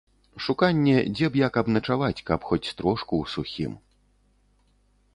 Шуканне, дзе б як абначаваць, каб хоць трошку ў сухім.